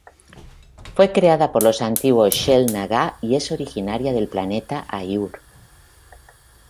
Fue creada por los antiguos Xel'Naga y es originaria del planeta Aiur.